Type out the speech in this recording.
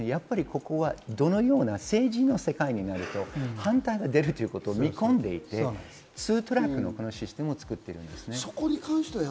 やっぱりここはどのような政治の世界になると反対が出るということを見込んでいて、ツートラックのシステムを作っています。